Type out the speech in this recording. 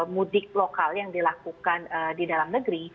mudik lokal yang dilakukan di dalam negeri